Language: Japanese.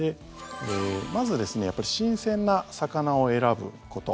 まず、やっぱり新鮮な魚を選ぶこと。